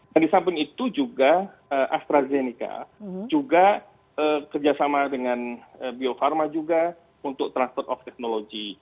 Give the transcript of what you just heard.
nah di samping itu juga astrazeneca juga kerjasama dengan bio farma juga untuk transport of technology